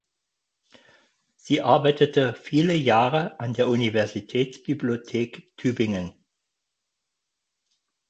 Sie arbeitete viele Jahre an der Universitätsbibliothek Tübingen.